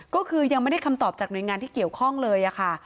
ก็คือยังไม่ได้คำตอบจากหน่วยงานที่เกี่ยวข้องเลยค่ะ